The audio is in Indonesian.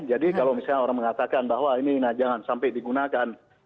jadi kalau misalnya orang mengatakan bahwa ini jangan sampai digunakan